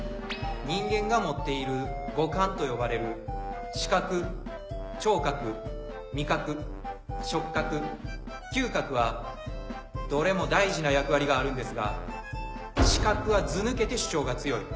人間が持っている「五感」と呼ばれる視覚聴覚味覚触覚嗅覚はどれも大事な役割があるんですが視覚はずぬけて主張が強い。